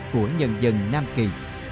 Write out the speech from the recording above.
của nhân dân nam kỳ